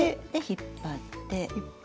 引っ張って。